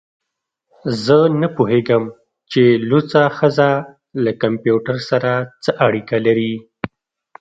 زه نه پوهیږم چې لوڅه ښځه له کمپیوټر سره څه اړیکه لري